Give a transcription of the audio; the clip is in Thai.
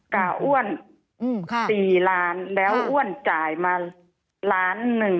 กล่าวอ้วน๔ล้านแล้วอ้วนจ่ายมา๑ล้าน